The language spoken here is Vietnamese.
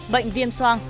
bệnh viêm soang